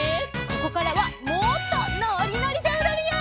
ここからはもっとのりのりでおどるよ！